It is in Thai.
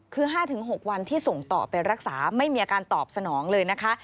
คือ๕๖วันที่ส่งต่อไปรักษาไม่มีอาการตอบสนองเลยนะคะ